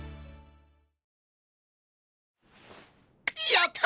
やった！